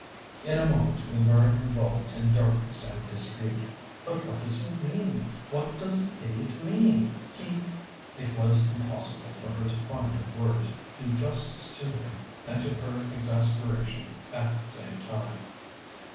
In a moment we were involved in darkness and dispute. "But what does he mean? What does the idiot mean? He " It was impossible for her to find a word to do justice to him and to her exasperation at the same time.